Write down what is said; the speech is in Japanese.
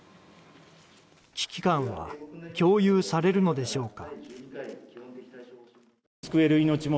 危機感は共有されるのでしょうか？